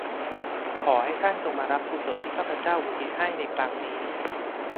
ขอให้ท่านจงมารับกุศลที่ข้าพเจ้าอุทิศให้ในครั้งนี้